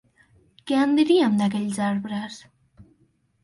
Què en direm d'aquells arbres?